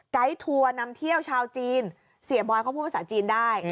ทัวร์นำเที่ยวชาวจีนเสียบอยเขาพูดภาษาจีนได้